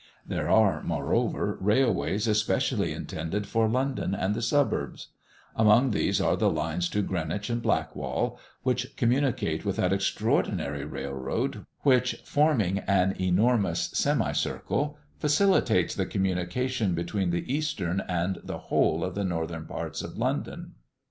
There are, moreover, railways especially intended for London and the suburbs: among these, are the lines to Greenwich and Blackwall, which communicate with that extraordinary railroad which, forming an enormous semicircle, facilitates the communication between the eastern and the whole of the northern parts of London.